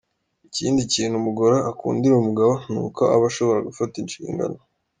Ikindi kintu umugore akundira umugabo ni uko aba ashobora gufata inshingano.